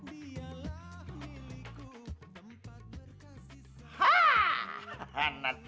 dialah milikku tempat berkasih selamat